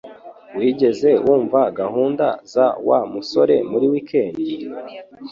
Wigeze wumva gahunda za Wa musore muri wikendi?